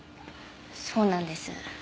そうなんです。